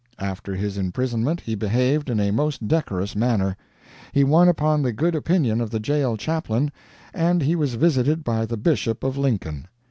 After his imprisonment he behaved in a most decorous manner; he won upon the good opinion of the jail chaplain, and he was visited by the Bishop of Lincoln.